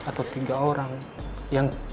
atau tiga orang